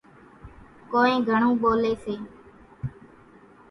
ڪونئين گھڻون ٻوليَ سي۔